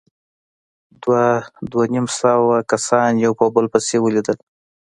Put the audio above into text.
دوه، دوه نيم سوه کسان يو په بل پسې ولوېدل.